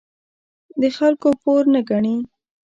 د خلکو پور نه ګڼي.